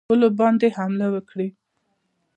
پولو باندي حمله وکړي.